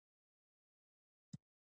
دا سیند د لوی سیند په معنا لري.